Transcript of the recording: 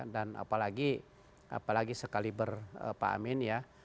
dan apalagi sekaliber pak amin ya